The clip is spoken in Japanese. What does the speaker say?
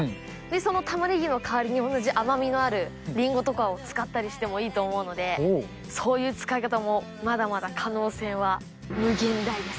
そのタマネギの代わりに同じ甘みのあるりんごとかを使ったりしてもいいと思うので、そういう使い方もまだまだ可能性は無限大です。